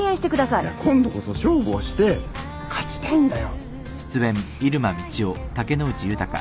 いや今度こそ勝負をして勝ちたいんだよ！